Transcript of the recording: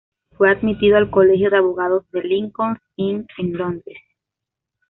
Fue admitido al colegio de abogados del Lincoln's Inn en Londres.